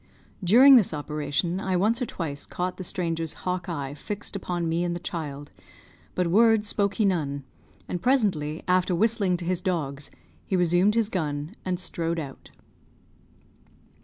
During this operation, I once or twice caught the stranger's hawk eye fixed upon me and the child, but word spoke he none; and presently, after whistling to his dogs, he resumed his gun, and strode out.